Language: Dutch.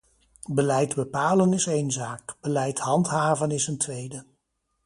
Beleid bepalen is een zaak, beleid handhaven is een tweede.